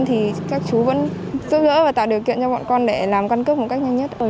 thì các chú vẫn giúp đỡ và tạo điều kiện cho bọn con để làm căn cước một cách nhanh nhất